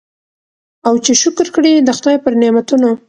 او چي شکر کړي د خدای پر نعمتونو